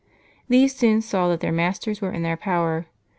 These soon saw that their masters were in their power.